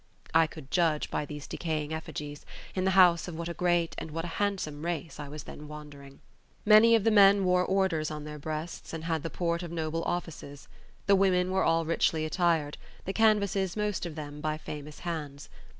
I could judge, by these decaying effigies, in the house of what a great and what a handsome race I was then wandering. Many of the men wore orders on their breasts and had the port of noble offices; the women were all richly attired; the canvases most of them by famous hands.